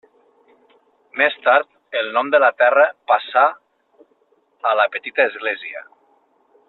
Més tard, el nom de la terra passà a la petita església.